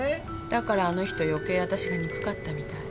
だからあの人余計わたしが憎かったみたい。